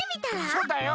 そうだよ。